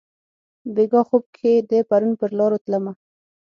بیګاه خوب کښي د پرون پرلارو تلمه